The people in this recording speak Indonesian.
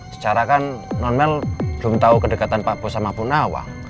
secara kan normal belum tau kedekatan pak bos sama bu nawang